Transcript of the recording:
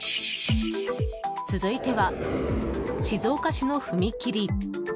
続いては静岡市の踏切。